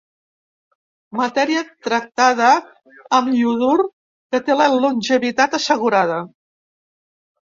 Matèria tractada amb iodur que té la longevitat assegurada.